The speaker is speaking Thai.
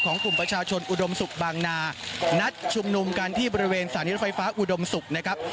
กลุ่มประชาชนอุดมศุกร์บางนานัดชุมนุมกันที่บริเวณสถานีรถไฟฟ้าอุดมศุกร์นะครับ